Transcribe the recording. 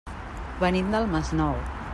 Venim del Masnou.